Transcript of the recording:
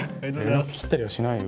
連絡切ったりはしないよ。